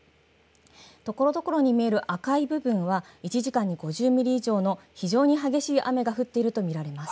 ところどころに見える赤い部分は１時間に５０ミリ以上の非常に激しい雨が降っていると見られます。